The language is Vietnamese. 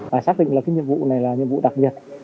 phải xác định là cái nhiệm vụ này là nhiệm vụ đặc biệt